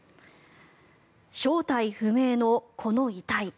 正体不明のこの遺体